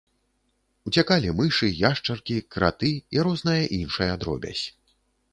Уцякалі мышы, яшчаркі, краты і розная іншая дробязь.